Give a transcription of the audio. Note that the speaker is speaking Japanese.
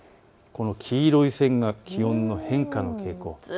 黄色い線が気温の変化の傾向です。